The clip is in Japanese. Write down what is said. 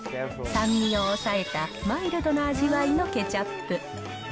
酸味を抑えたマイルドな味わいのケチャップ。